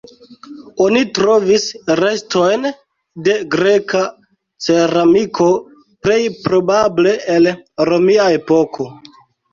Oni trovis restojn de greka ceramiko, plej probable el romia epoko.